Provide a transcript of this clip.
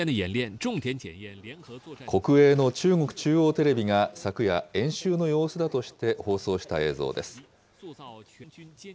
国営の中国中央テレビが昨夜、演習の様子だとして放送した映像です。